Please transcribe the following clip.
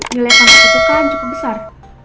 nilai tambah itu kan cukup besar